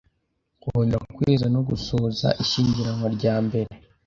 kongera kweza no gusohoza ishyingiranwa ryambere